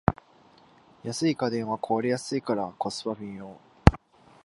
安い家電は壊れやすいからコスパ微妙